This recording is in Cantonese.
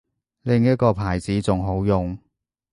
另一個牌子仲好用